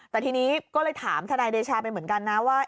แต่ทีนี้ก็เลยถามทนายเดชาไปเหมือนกันนะว่า